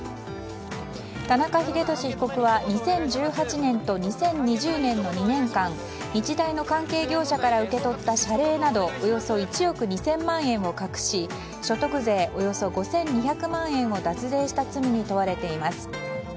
田中英寿被告は２０１８年と２０２０年の２年間日大の関係業者から受け取った謝礼などおよそ１億２０００万円を隠し所得税およそ５２００万円を脱税した罪に問われています。